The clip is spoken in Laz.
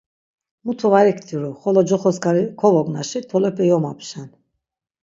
Mutu var iktiru, xolo coxo skani kovognaşi tolepe yomapşen.